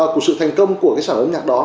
của sự thành công của cái sản phẩm âm nhạc đó